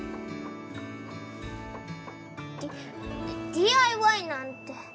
ディＤＩＹなんて。